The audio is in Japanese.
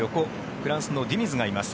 フランスのディニズがいます。